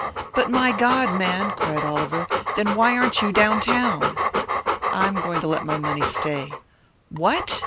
"But my God, man," cried Oliver "then why aren't you down town?" "I'm going to let my money stay." "What?"